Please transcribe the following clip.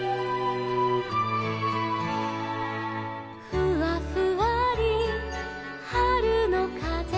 「ふわふわりはるのかぜ」